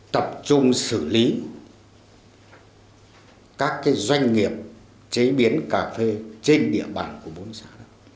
tập trung xử lý các doanh nghiệp chế biến cà phê trên địa bàn của bốn xã